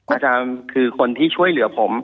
อาจารย์คือคนที่ช่วยเหลือผม